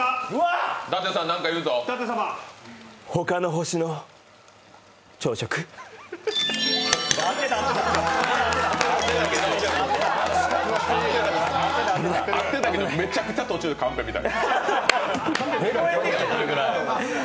他の星の朝食合ってたけどめちゃくちゃ途中でカンペ見た。